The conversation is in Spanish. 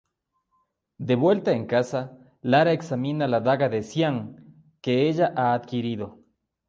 De vuelta en casa, Lara examina la daga de Xian que ella ha adquirido.